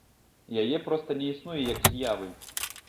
Яе проста не існуе, як з'явы.